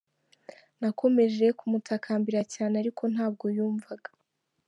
Nakomeje kumutakambira cyane ariko ntabwo yumvaga.